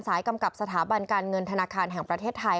กำกับสถาบันการเงินธนาคารแห่งประเทศไทย